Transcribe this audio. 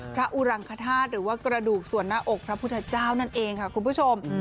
อุรังคธาตุหรือว่ากระดูกส่วนหน้าอกพระพุทธเจ้านั่นเองค่ะคุณผู้ชม